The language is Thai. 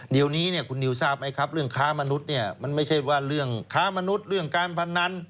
เดี๋ยวนี้เนี่ยคุณนิวทราบไหมครับเรื่องค้ามนุษย์เนี่ยมันไม่ใช่ว่าเรื่องค้ามนุษย์เรื่องการพนัน